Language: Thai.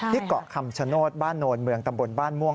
เกาะคำชโนธบ้านโนนเมืองตำบลบ้านม่วง